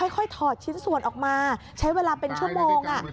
ถอดชิ้นส่วนออกมาใช้เวลาเป็นชั่วโมง